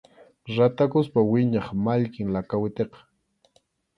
Ratakuspa wiñaq mallkim lakawitiqa.